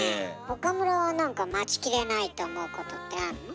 岡村はなんか待ちきれないと思うことってあんの？